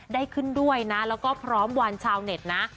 ได้ขึ้นด้วยนะแล้วก็พร้อมวานชาวเน็ตนะ